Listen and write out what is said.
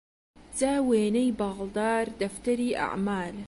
جا وێنەی باڵدار دەفتەری ئەعمال